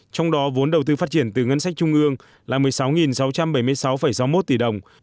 trong đó vốn đầu tư phát triển từ ngân sách trung ương là một mươi sáu sáu trăm bảy mươi sáu sáu mươi một tỷ đồng